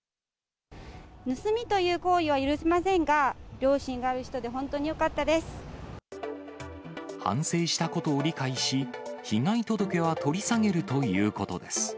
盗みという行為は許せませんが、良心がある人で、反省したことを理解し、被害届は取り下げるということです。